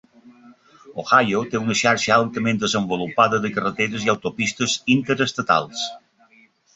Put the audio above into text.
Ohio té una xarxa altament desenvolupada de carreteres i autopistes interestatals.